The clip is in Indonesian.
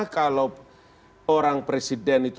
kalau orang presiden itu